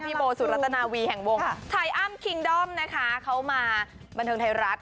โบสุรัตนาวีแห่งวงไทยอ้ำคิงด้อมนะคะเขามาบันเทิงไทยรัฐ